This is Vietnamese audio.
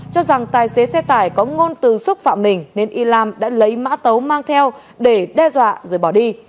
cho rằng tài xế xe tải có ngôn từ xúc phạm mình nên y lam đã lấy mã tấu mang theo để đe dọa rồi bỏ đi